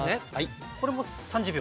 これも３０秒。